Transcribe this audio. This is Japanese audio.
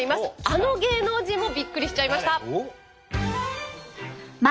あの芸能人もビックリしちゃいました！